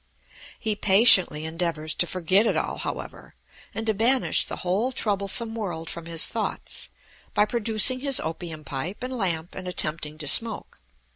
He patiently endeavors to forget it all, however, and to banish the whole troublesome world from his thoughts, by producing his opium pipe and lamp and attempting to smoke.